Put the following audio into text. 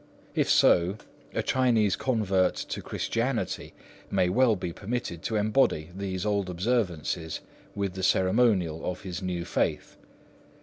If so, a Chinese convert to Christianity may well be permitted to embody these old observances with the ceremonial of his new faith.